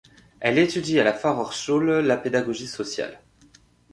Elle étudie à la Fachhochschule la pédagogie sociale.